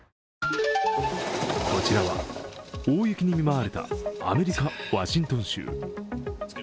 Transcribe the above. こちらは大雪に見舞われたアメリカ・ワシントン州。